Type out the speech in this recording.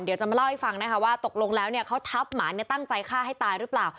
เดี๋ยวจะมาเล่าให้ฟังนะคะว่าตกลงแล้วเนี่ยเขาทับหมาตั้งใจฆ่าให้ตายหรือเปล่า